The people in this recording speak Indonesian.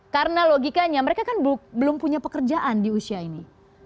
karena logikanya mereka kan belum punya pekerjaan di usia ini